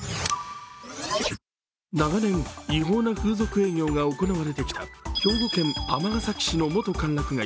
長年、違法な風俗営業が行われてきた兵庫県尼崎市の元歓楽街